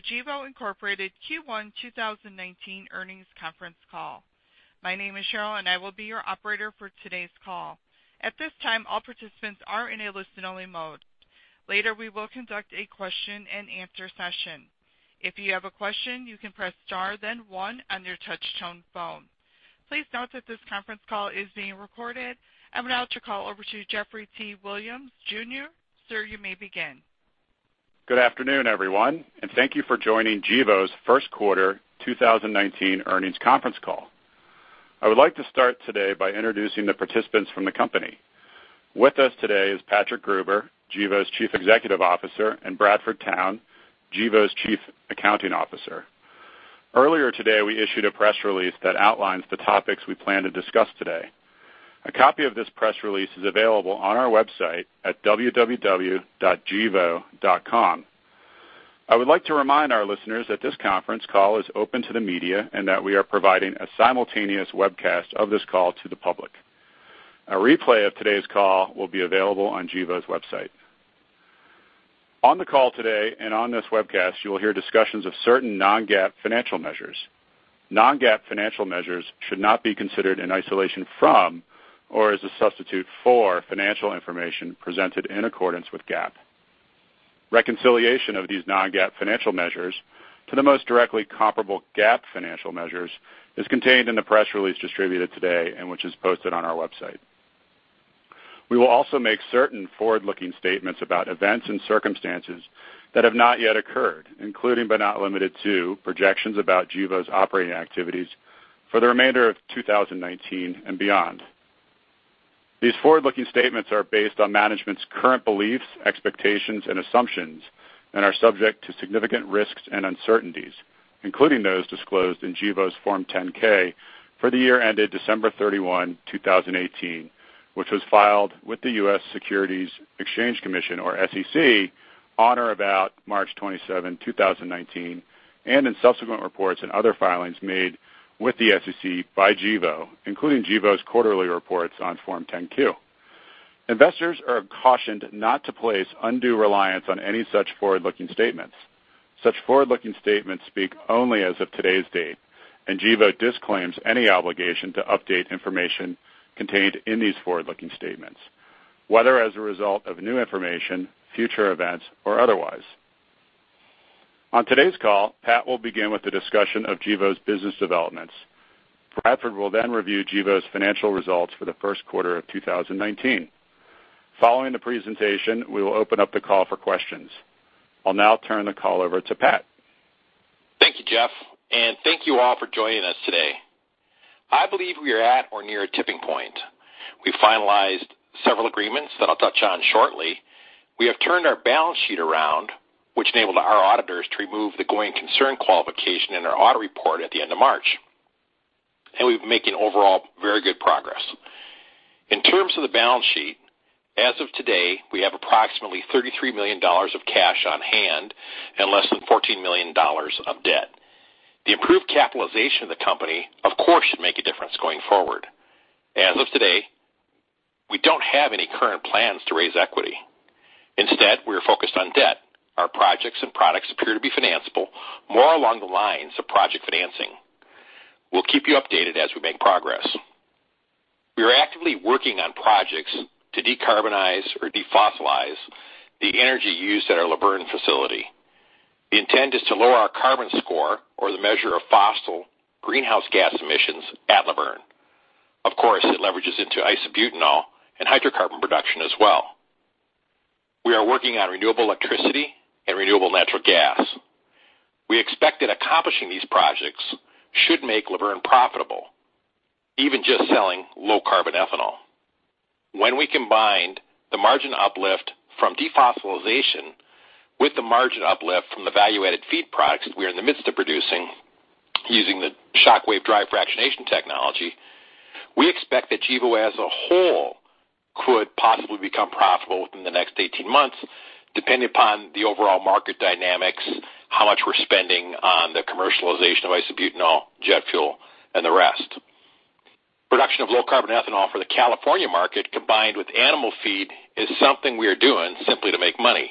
The Gevo, Inc. Q1 2019 earnings conference call. My name is Cheryl, and I will be your operator for today's call. At this time, all participants are in a listen-only mode. Later, we will conduct a question and answer session. If you have a question, you can press star then one on your touchtone phone. Please note that this conference call is being recorded. I would now like to call over to Geoffrey T. Williams, Jr. Sir, you may begin. Good afternoon, everyone. Thank you for joining Gevo's first quarter 2019 earnings conference call. I would like to start today by introducing the participants from the company. With us today is Patrick Gruber, Gevo's Chief Executive Officer, and Bradford Towne, Gevo's Chief Accounting Officer. Earlier today, we issued a press release that outlines the topics we plan to discuss today. A copy of this press release is available on our website at www.gevo.com. I would like to remind our listeners that this conference call is open to the media, that we are providing a simultaneous webcast of this call to the public. A replay of today's call will be available on Gevo's website. On the call today, on this webcast, you will hear discussions of certain non-GAAP financial measures. Non-GAAP financial measures should not be considered in isolation from, or as a substitute for, financial information presented in accordance with GAAP. Reconciliation of these non-GAAP financial measures to the most directly comparable GAAP financial measures is contained in the press release distributed today which is posted on our website. We will also make certain forward-looking statements about events and circumstances that have not yet occurred, including, but not limited to, projections about Gevo's operating activities for the remainder of 2019 and beyond. These forward-looking statements are based on management's current beliefs, expectations, assumptions, are subject to significant risks and uncertainties, including those disclosed in Gevo's Form 10-K for the year ended December 31, 2018, was filed with the U.S. Securities and Exchange Commission, or SEC, on or about March 27, 2019, in subsequent reports and other filings made with the SEC by Gevo, including Gevo's quarterly reports on Form 10-Q. Investors are cautioned not to place undue reliance on any such forward-looking statements. Such forward-looking statements speak only as of today's date, Gevo disclaims any obligation to update information contained in these forward-looking statements, whether as a result of new information, future events, or otherwise. On today's call, Pat will begin with a discussion of Gevo's business developments. Bradford will review Gevo's financial results for the first quarter of 2019. Following the presentation, we will open up the call for questions. I'll now turn the call over to Pat. Thank you, Jeff. Thank you all for joining us today. I believe we are at or near a tipping point. We finalized several agreements that I'll touch on shortly. We have turned our balance sheet around, which enabled our auditors to remove the going concern qualification in our audit report at the end of March. We've been making overall very good progress. In terms of the balance sheet, as of today, we have approximately $33 million of cash on hand and less than $14 million of debt. The improved capitalization of the company, of course, should make a difference going forward. As of today, we don't have any current plans to raise equity. Instead, we are focused on debt. Our projects and products appear to be financeable, more along the lines of project financing. We'll keep you updated as we make progress. We are actively working on projects to decarbonize or defossilize the energy used at our Luverne facility. The intent is to lower our carbon score or the measure of fossil greenhouse gas emissions at Luverne. Of course, it leverages into isobutanol and hydrocarbon production as well. We are working on renewable electricity and renewable natural gas. We expect that accomplishing these projects should make Luverne profitable, even just selling low-carbon ethanol. When we combined the margin uplift from defossilization with the margin uplift from the value-added feed products we are in the midst of producing using the Shockwave dry fractionation we expect that Gevo as a whole could possibly become profitable within the next 18 months, depending upon the overall market dynamics, how much we're spending on the commercialization of isobutanol jet fuel, and the rest. Production of low-carbon ethanol for the California market combined with animal feed is something we are doing simply to make money.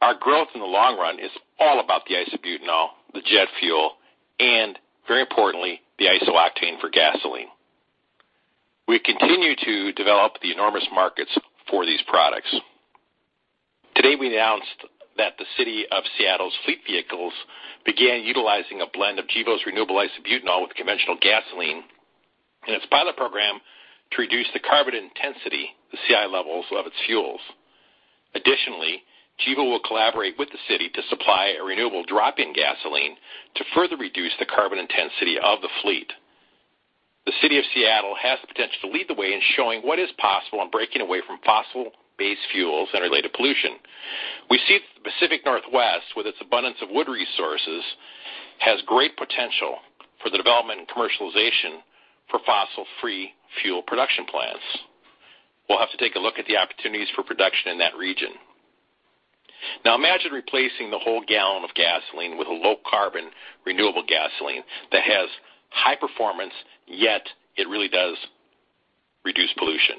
Our growth, in the long run, is all about the isobutanol, the jet fuel, and very importantly, the isooctane for gasoline. We continue to develop the enormous markets for these products. Today, we announced that the City of Seattle's fleet vehicles began utilizing a blend of Gevo's renewable isobutanol with conventional gasoline in its pilot program to reduce the carbon intensity, the CI levels, of its fuels. Additionally, Gevo will collaborate with the city to supply a renewable drop-in gasoline to further reduce the carbon intensity of the fleet. The City of Seattle has the potential to lead the way in showing what is possible in breaking away from fossil-based fuels and related pollution. We see that the Pacific Northwest, with its abundance of wood resources, has great potential for the development and commercialization for fossil-free fuel production plants. We'll have to take a look at the opportunities for production in that region. Imagine replacing the whole gallon of gasoline with a low carbon renewable gasoline that has high performance, yet it really does reduce pollution.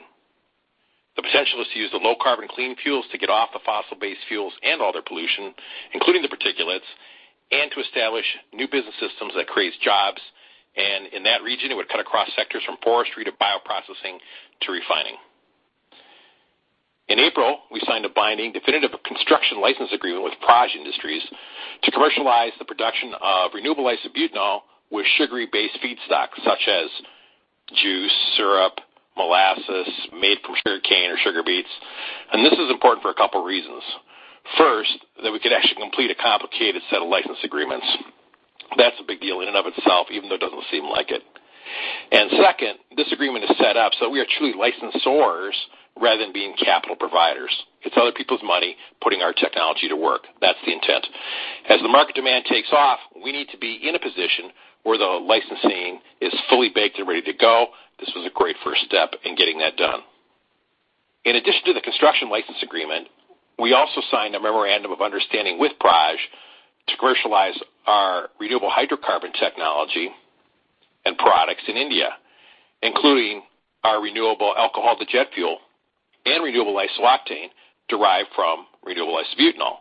Potential is to use the low carbon clean fuels to get off the fossil-based fuels and all their pollution, including the particulates, and to establish new business systems that creates jobs. In that region, it would cut across sectors from forestry to bioprocessing to refining. In April, we signed a binding definitive construction license agreement with Praj Industries to commercialize the production of renewable isobutanol with sugary based feedstock such as juice, syrup, molasses, made from sugarcane or sugar beets. This is important for a couple reasons. First, that we could actually complete a complicated set of license agreements. That's a big deal in and of itself, even though it doesn't seem like it. Second, this agreement is set up so we are truly licensors rather than being capital providers. It's other people's money putting our technology to work. That's the intent. As the market demand takes off, we need to be in a position where the licensing is fully baked and ready to go. This was a great first step in getting that done. In addition to the construction license agreement, we also signed a memorandum of understanding with Praj to commercialize our renewable hydrocarbon technology and products in India, including our renewable alcohol to jet fuel and renewable isooctane derived from renewable isobutanol.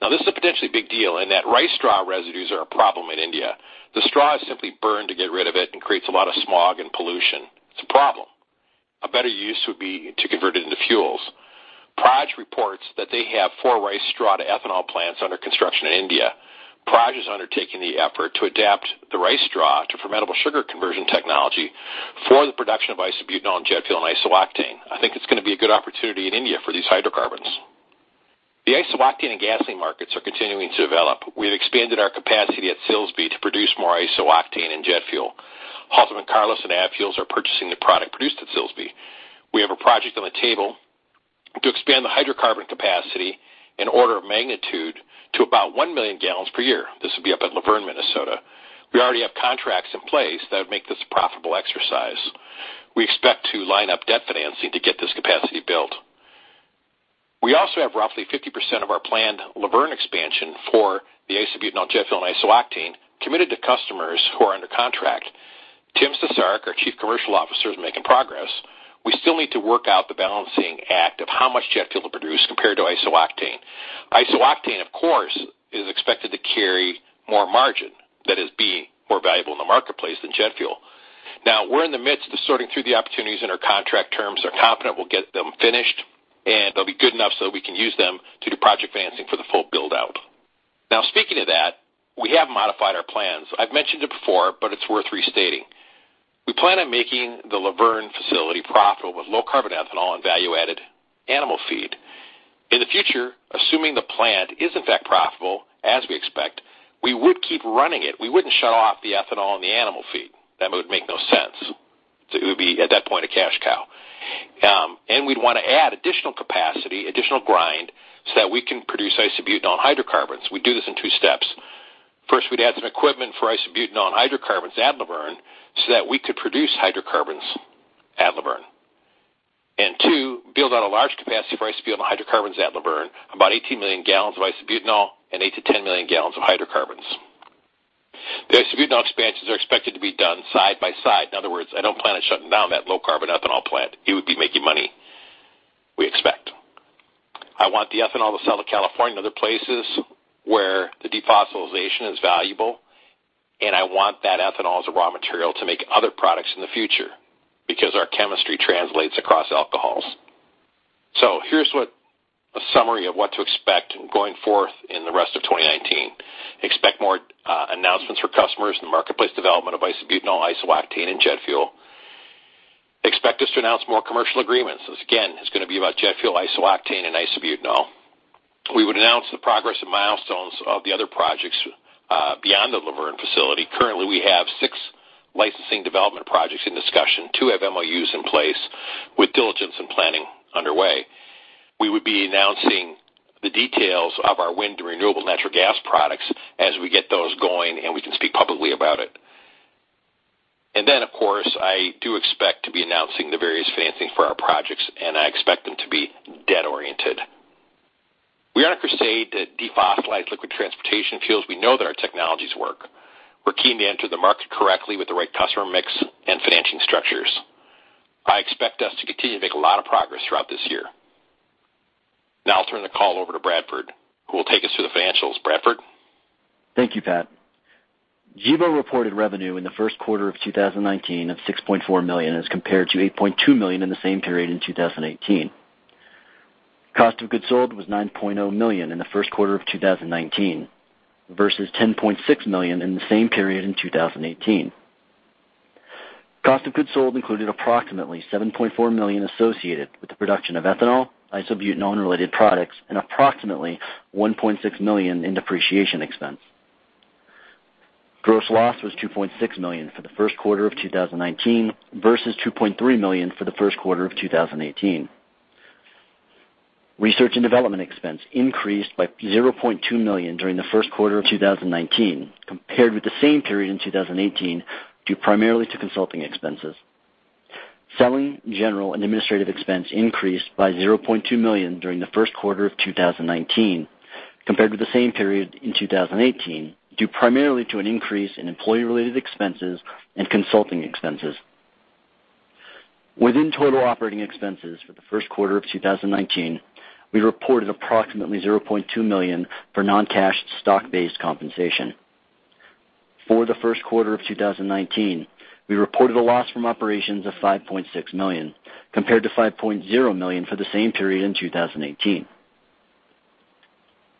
This is a potentially big deal in that rice straw residues are a problem in India. The straw is simply burned to get rid of it and creates a lot of smog and pollution. It's a problem. A better use would be to convert it into fuels. Praj reports that they have four rice straw to ethanol plants under construction in India. Praj is undertaking the effort to adapt the rice straw to fermentable sugar conversion technology for the production of isobutanol and jet fuel and isooctane. I think it's going to be a good opportunity in India for these hydrocarbons. The isooctane and gasoline markets are continuing to develop. We've expanded our capacity at Silsbee to produce more isooctane and jet fuel. Haltermann Carless and AB Fuels are purchasing the product produced at Silsbee. We have a project on the table to expand the hydrocarbon capacity and order of magnitude to about 1 million gallons per year. This would be up at Luverne, Minnesota. We already have contracts in place that would make this a profitable exercise. We expect to line up debt financing to get this capacity built. We also have roughly 50% of our planned Luverne expansion for the isobutanol, jet fuel, and isooctane committed to customers who are under contract. Tim Cesarek, our Chief Commercial Officer, is making progress. We still need to work out the balancing act of how much jet fuel to produce compared to isooctane. Isooctane, of course, is expected to carry more margin that is being more valuable in the marketplace than jet fuel. We're in the midst of sorting through the opportunities in our contract terms. They're confident we'll get them finished, they'll be good enough so we can use them to do project financing for the full build-out. Speaking of that, we have modified our plans. I've mentioned it before, but it's worth restating. We plan on making the Luverne facility profitable with low-carbon ethanol and value-added animal feed. In the future, assuming the plant is in fact profitable, as we expect, we would keep running it. We wouldn't shut off the ethanol and the animal feed. That would make no sense. It would be, at that point, a cash cow. We'd want to add additional capacity, additional grind, so that we can produce isobutanol and hydrocarbons. We do this in two steps. First, we'd add some equipment for isobutanol and hydrocarbons at Luverne so that we could produce hydrocarbons at Luverne. Two, build out a large capacity for isobutanol and hydrocarbons at Luverne, about 18 million gallons of isobutanol and 8 million-10 million gallons of hydrocarbons. The isobutanol expansions are expected to be done side by side. In other words, I don't plan on shutting down that low-carbon ethanol plant. It would be making money, we expect. I want the ethanol to sell to California and other places where the defossilization is valuable, and I want that ethanol as a raw material to make other products in the future, because our chemistry translates across alcohols. Here's a summary of what to expect going forth in the rest of 2019. Expect more announcements for customers in the marketplace development of isobutanol, isooctane, and jet fuel. Expect us to announce more commercial agreements. This, again, is going to be about jet fuel, isooctane, and isobutanol. We would announce the progress and milestones of the other projects beyond the Luverne facility. Currently, we have six licensing development projects in discussion. Two have MOUs in place with diligence and planning underway. We would be announcing the details of our wind and renewable natural gas products as we get those going, and we can speak publicly about it. Then, of course, I do expect to be announcing the various financing for our projects, and I expect them to be debt-oriented. We are on a crusade to defossilize liquid transportation fuels. We know that our technologies work. We're keen to enter the market correctly with the right customer mix and financing structures. I expect us to continue to make a lot of progress throughout this year. I'll turn the call over to Bradford, who will take us through the financials. Bradford? Thank you, Pat. Gevo reported revenue in the first quarter of 2019 of $6.4 million as compared to $8.2 million in the same period in 2018. Cost of goods sold was $9.0 million in the first quarter of 2019 versus $10.6 million in the same period in 2018. Cost of goods sold included approximately $7.4 million associated with the production of ethanol, isobutanol and related products, and approximately $1.6 million in depreciation expense. Gross loss was $2.6 million for the first quarter of 2019 versus $2.3 million for the first quarter of 2018. Research and development expense increased by $0.2 million during the first quarter of 2019 compared with the same period in 2018, due primarily to consulting expenses. Selling, general, and administrative expense increased by $0.2 million during the first quarter of 2019 compared with the same period in 2018, due primarily to an increase in employee-related expenses and consulting expenses. Within total operating expenses for the first quarter of 2019, we reported approximately $0.2 million for non-cash stock-based compensation. For the first quarter of 2019, we reported a loss from operations of $5.6 million, compared to $5.0 million for the same period in 2018.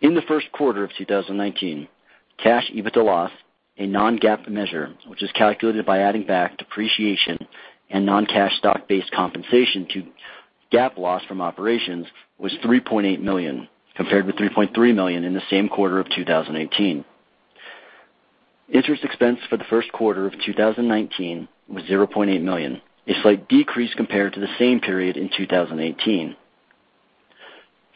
In the first quarter of 2019, cash EBITDA loss, a non-GAAP measure, which is calculated by adding back depreciation and non-cash stock-based compensation to GAAP loss from operations, was $3.8 million, compared with $3.3 million in the same quarter of 2018. Interest expense for the first quarter of 2019 was $0.8 million, a slight decrease compared to the same period in 2018.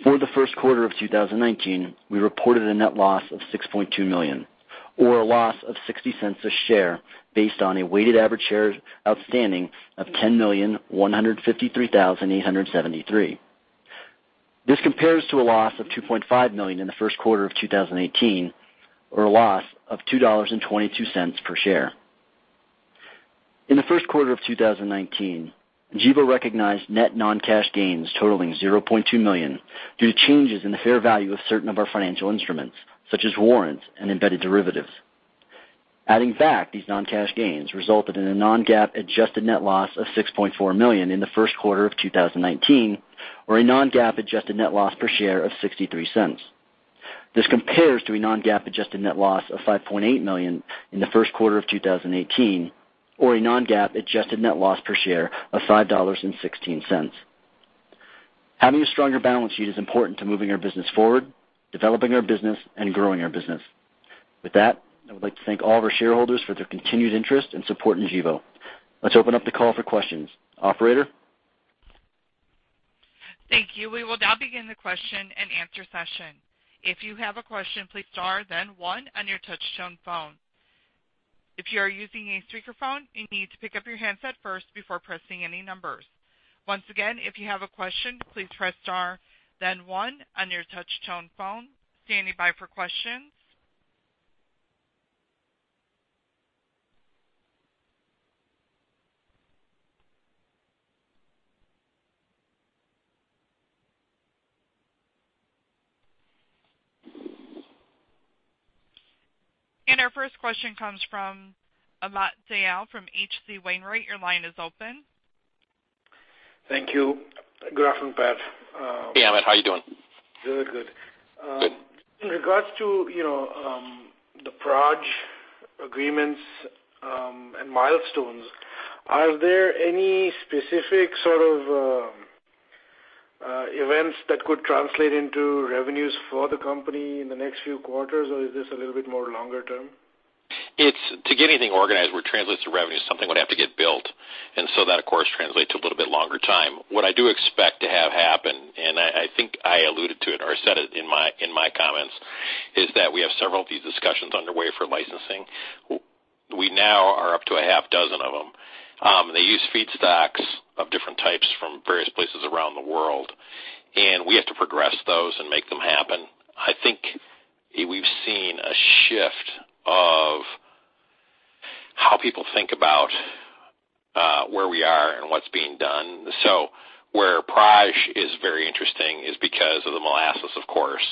For the first quarter of 2019, we reported a net loss of $6.2 million, or a loss of $0.60 a share, based on a weighted average share outstanding of 10,153,873. This compares to a loss of $2.5 million in the first quarter of 2018, or a loss of $2.22 per share. In the first quarter of 2019, Gevo recognized net non-cash gains totaling $0.2 million due to changes in the fair value of certain of our financial instruments, such as warrants and embedded derivatives. Adding back these non-cash gains resulted in a non-GAAP adjusted net loss of $6.4 million in the first quarter of 2019, or a non-GAAP adjusted net loss per share of $0.63. This compares to a non-GAAP adjusted net loss of $5.8 million in the first quarter of 2018, or a non-GAAP adjusted net loss per share of $5.16. Having a stronger balance sheet is important to moving our business forward, developing our business and growing our business. With that, I would like to thank all of our shareholders for their continued interest and support in Gevo. Let's open up the call for questions. Operator? Thank you. We will now begin the question and answer session. If you have a question, please star then one on your touchtone phone. If you are using a speakerphone, you need to pick up your handset first before pressing any numbers. Once again, if you have a question, please press star then one on your touchtone phone. Standing by for questions. Our first question comes from Amit Dayal from H.C. Wainwright. Your line is open. Thank you. Good afternoon, Pat. Hey, Amit. How are you doing? Good. Good. In regards to the Praj agreements and milestones, are there any specific sort of events that could translate into revenues for the company in the next few quarters, or is this a little bit more longer term? To get anything organized where it translates to revenue, something would have to get built. That of course translates to a little bit longer time. What I do expect to have happen, and I think I alluded to it or I said it in my comments, is that we have several of these discussions underway for licensing. We now are up to a half dozen of them. They use feedstocks of different types from various places around the world, and we have to progress those and make them happen. I think we've seen a shift of how people think about where we are and what's being done. Where Praj is very interesting is because of the molasses, of course,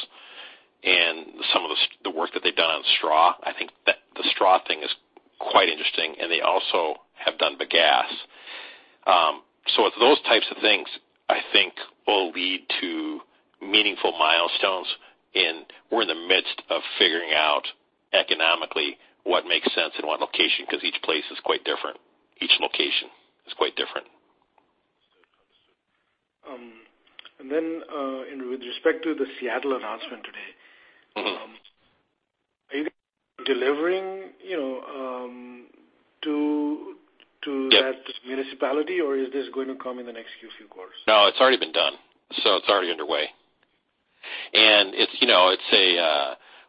and some of the work that they've done on straw. I think that the straw thing is quite interesting, and they also have done bagasse. Those types of things, I think will lead to meaningful milestones, and we're in the midst of figuring out economically what makes sense in what location, because each place is quite different. Each location is quite different. Understood. With respect to the Seattle announcement today. Are you delivering to. Yes. That municipality, or is this going to come in the next few quarters? No, it's already been done. It's already underway.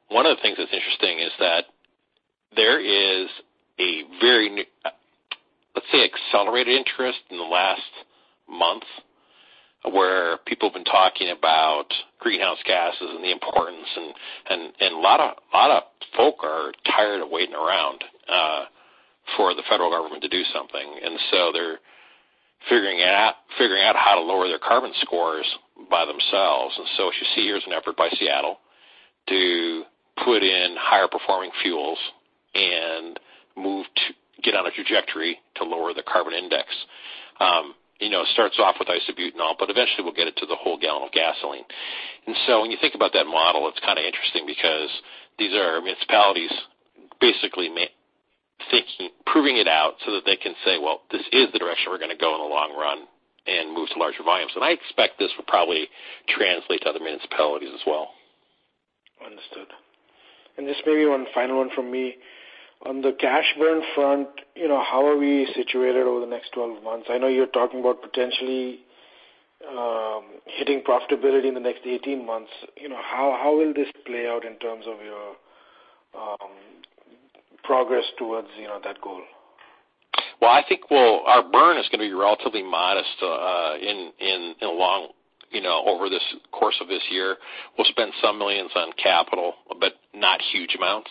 One of the things that's interesting is that there is a very, let's say, accelerated interest in the last month where people have been talking about greenhouse gases and the importance. A lot of folk are tired of waiting around for the federal government to do something. They're figuring out how to lower their carbon scores by themselves. As you see, here's an effort by Seattle to put in higher performing fuels and get on a trajectory to lower the carbon intensity. It starts off with isobutanol, but eventually we'll get it to the whole gallon of gasoline. When you think about that model, it's kind of interesting because these are municipalities basically proving it out so that they can say, "Well, this is the direction we're going to go in the long run," and move to larger volumes. I expect this will probably translate to other municipalities as well. Understood. Just maybe one final one from me. On the cash burn front, how are we situated over the next 12 months? I know you're talking about potentially hitting profitability in the next 18 months. How will this play out in terms of your progress towards that goal? Well, I think our burn is going to be relatively modest over the course of this year. We'll spend some millions on capital, but not huge amounts.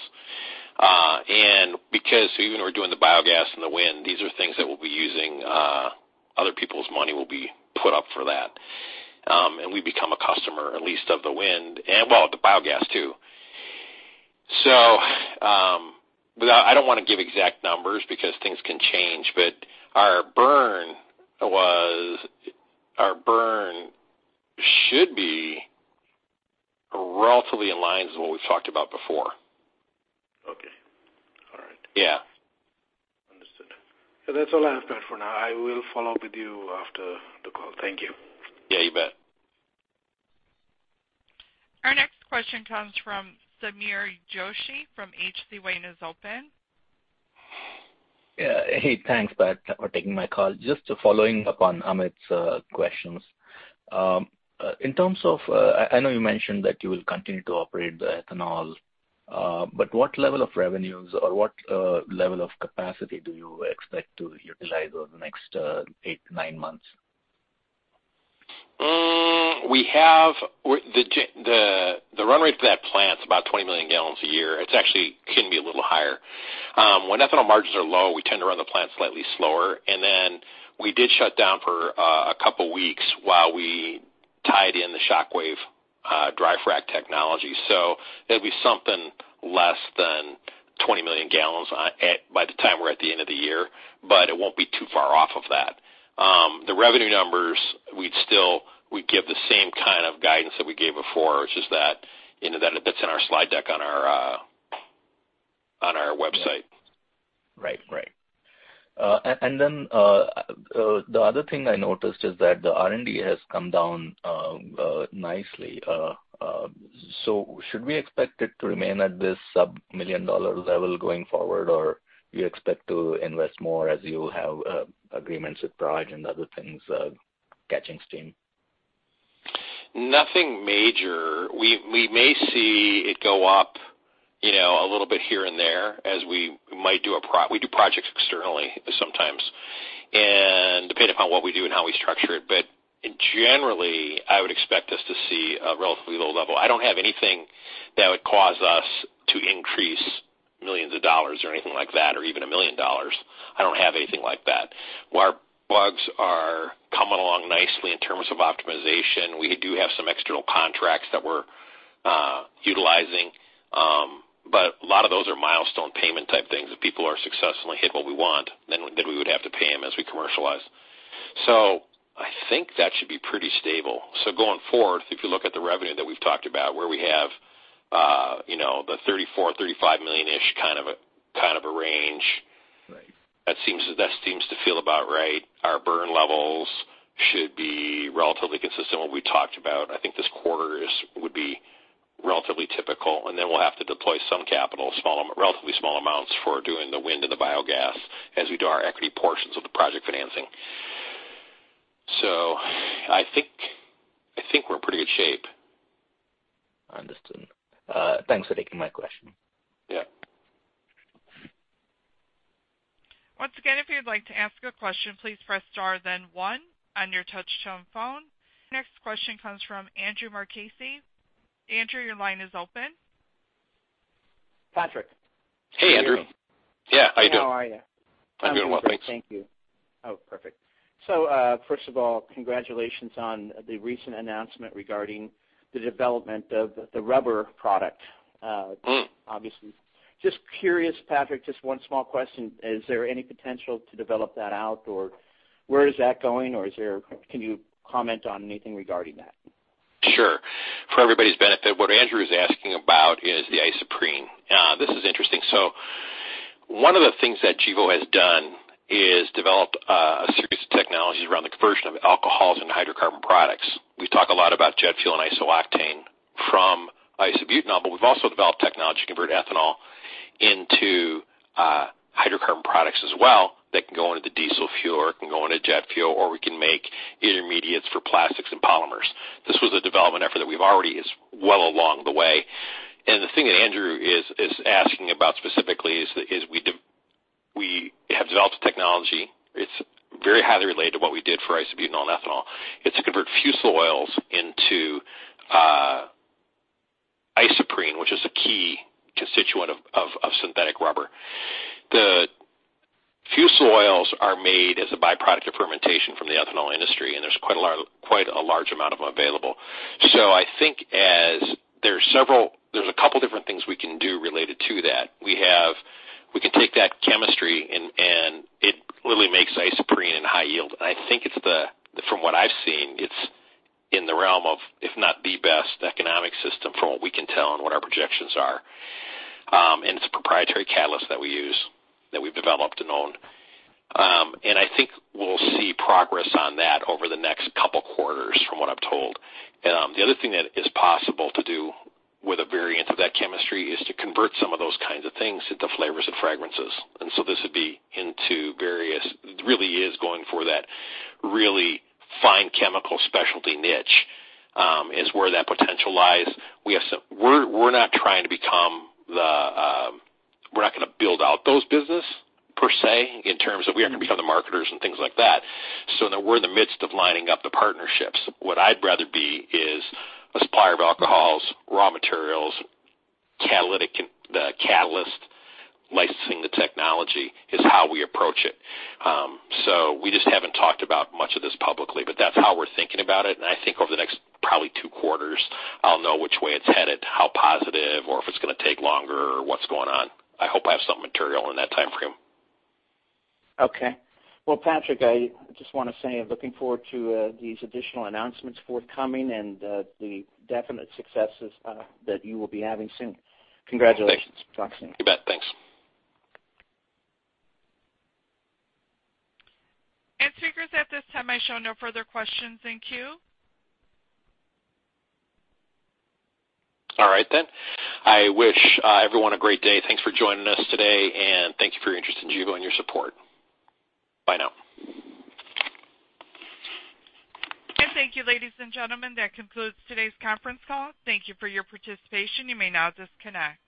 Because even though we're doing the biogas and the wind, these are things that we'll be using. Other people's money will be put up for that. We become a customer, at least of the wind, and well, the biogas too. I don't want to give exact numbers because things can change, but our burn should be relatively in line with what we've talked about before. Okay. All right. Yeah. Understood. That's all I have time for now. I will follow up with you after the call. Thank you. Yeah, you bet. Our next question comes from Sameer Joshi from H.C. Wainwright. Yeah. Hey, thanks Pat, for taking my call. Just following up on Amit’s questions. I know you mentioned that you will continue to operate the ethanol, what level of revenues or what level of capacity do you expect to utilize over the next eight to nine months? The run rate for that plant is about 20 million gallons a year. It actually can be a little higher. When ethanol margins are low, we tend to run the plant slightly slower, then we did shut down for a couple of weeks while we tied in the Shockwave dry frac technology. It’ll be something less than 20 million gallons by the time we’re at the end of the year. It won’t be too far off of that. The revenue numbers, we’d give the same kind of guidance that we gave before, which is that’s in our slide deck on our website. Right. The other thing I noticed is that the R&D has come down nicely. Should we expect it to remain at this sub-$1 million level going forward, or do you expect to invest more as you have agreements with Praj and other things catching steam? Nothing major. We may see it go up a little bit here and there as we do projects externally sometimes, and depending upon what we do and how we structure it. Generally, I would expect us to see a relatively low level. I don’t have anything that would cause us to increase millions of dollars or anything like that, or even $1 million. I don’t have anything like that. Our bugs are coming along nicely in terms of optimization. We do have some external contracts that we’re utilizing. A lot of those are milestone payment type things. If people are successfully hit what we want, then we would have to pay them as we commercialize. I think that should be pretty stable. Going forward, if you look at the revenue that we’ve talked about where we have the $34 million-$35 million-ish kind of a range. Right. That seems to feel about right. Our burn levels should be relatively consistent with what we talked about. I think this quarter would be relatively typical, and then we'll have to deploy some capital, relatively small amounts for doing the wind and the biogas as we do our equity portions of the project financing. I think we're in pretty good shape. Understood. Thanks for taking my question. Yeah. Once again, if you'd like to ask a question, please press star then one on your touchtone phone. Next question comes from Andrew Marchese. Andrew, your line is open. Patrick. Hey, Andrew. Yeah, how you doing? How are you? I'm doing well, thanks. Thank you. Oh, perfect. First of all, congratulations on the recent announcement regarding the development of the rubber product. Obviously. Just curious, Patrick, just one small question. Is there any potential to develop that out, or where is that going, or can you comment on anything regarding that? Sure. For everybody's benefit, what Andrew is asking about is the isoprene. This is interesting. One of the things that Gevo has done is develop a series of technologies around the conversion of alcohols into hydrocarbon products. We talk a lot about jet fuel and isooctane from isobutanol, but we've also developed technology to convert ethanol into hydrocarbon products as well that can go into diesel fuel, or it can go into jet fuel, or we can make intermediates for plastics and polymers. This was a development effort that we're already well along the way. The thing that Andrew is asking about specifically is we have developed a technology. It's very highly related to what we did for isobutanol and ethanol. It's to convert fusel oils into isoprene, which is a key constituent of synthetic rubber. The fusel oils are made as a byproduct of fermentation from the ethanol industry, and there's quite a large amount of them available. I think there's a couple different things we can do related to that. We can take that chemistry, and it literally makes isoprene and high yield. I think from what I've seen, it's in the realm of, if not the best economic system from what we can tell and what our projections are. It's a proprietary catalyst that we use that we've developed and owned. I think we'll see progress on that over the next couple of quarters from what I'm told. The other thing that is possible to do with a variant of that chemistry is to convert some of those kinds of things into flavors and fragrances. This would be into various, it really is going for that really fine chemical specialty niche, is where that potential lies. We're not going to build out those business per se, in terms of we aren't going to become the marketers and things like that. That we're in the midst of lining up the partnerships. What I'd rather be is a supplier of alcohols, raw materials, the catalyst. Licensing the technology is how we approach it. We just haven't talked about much of this publicly, but that's how we're thinking about it. I think over the next probably two quarters, I'll know which way it's headed, how positive, or if it's going to take longer or what's going on. I hope I have some material in that timeframe. Okay. Well, Patrick, I just want to say I'm looking forward to these additional announcements forthcoming and the definite successes that you will be having soon. Congratulations. Talk soon. You bet. Thanks. Speakers at this time, I show no further questions in queue. All right. I wish everyone a great day. Thanks for joining us today, and thank you for your interest in Gevo and your support. Bye now. Thank you, ladies and gentlemen. That concludes today's conference call. Thank you for your participation. You may now disconnect.